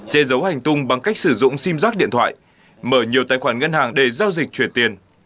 chê giấu hành tung bằng cách sử dụng sim giác điện thoại mở nhiều tài khoản ngân hàng để giao dịch chuyển tiền